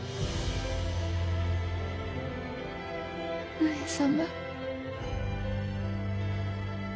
上様。